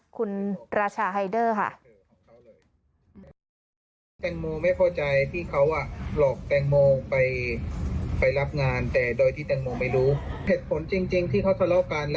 คุณราชาไฮเดอร์ค่ะ